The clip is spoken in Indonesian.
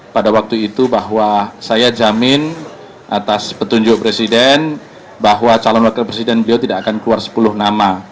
pada waktu itu bahwa saya jamin atas petunjuk presiden bahwa calon wakil presiden beliau tidak akan keluar sepuluh nama